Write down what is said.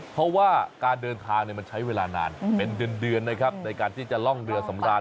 เพราะว่าการเดินทางมันใช้เวลานานเป็นเดือนนะครับในการที่จะล่องเรือสำราญ